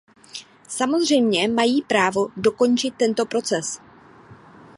Samozřejmě mají právo dokončit tento proces.